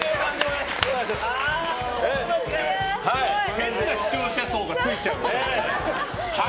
変な視聴者層がついちゃう。